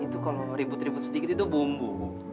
itu kalau mau ribut ribut sedikit itu bumbu